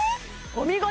お見事！